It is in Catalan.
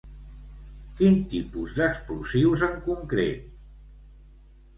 Quin tipus d'explosius en concret?